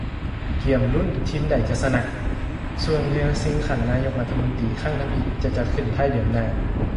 ກຽມລຸ້ນທີມໃດຈະຊະນະ! ຊ່ວງເຮືອຊີງຂັນນາຍົກລັດຖະມົນຕີ ຄັ້ງທໍາອິດ ຈະຈັດຂຶ້ນທ້າຍເດືອນໜ້າ